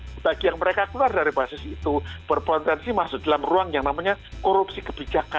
bagi yang mereka keluar dari basis itu berpotensi masuk dalam ruang yang namanya korupsi kebijakan